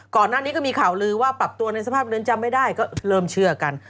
ก่อนหน้านี้ก็มีข่าวลือว่าปรับตัวในสภาพเรือนจำไม่ได้ก็เริ่มเชื่อกัน